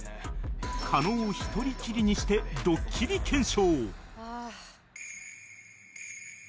加納を１人きりにしてドッキリ検証！